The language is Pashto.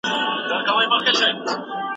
دا څېړنه به ستا علمي وړتیا ډېره زیاته کړي.